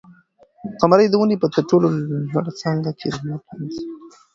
قمرۍ د ونې په تر ټولو لوړه څانګه کې د لمر وړانګې جذب کړې.